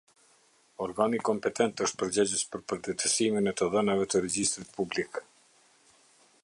Organi kompetent është përgjegjës për përditësimin e të dhënave të regjistrit publik.